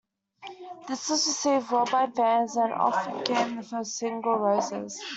This was received well by fans, and off it came their first single, "Roses".